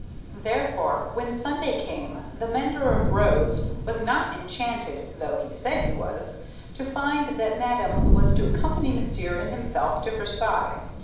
Therefore, when Sunday came, the mender of roads was not enchanted (though he said he was) to find that madame was to accompany monsieur and himself to Versailles.